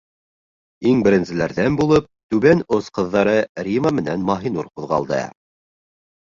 Иң беренселәрҙән булып түбән ос ҡыҙҙары Рима менән Маһинур ҡуҙғалды.